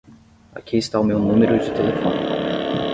Aqui está o meu número de telefone.